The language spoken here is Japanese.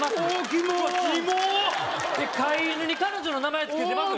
飼い犬に彼女の名前つけてます？